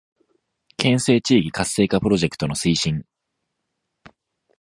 県西地域活性化プロジェクトの推進